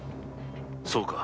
そうか。